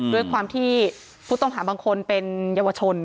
ด้วยความที่ผู้ต้องหาบางคนเป็นเยาวชน